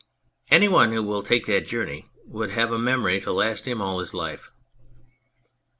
Any one who will take that journey would have a memory to last him all his life.